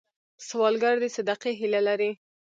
سوالګر د صدقې هیله لري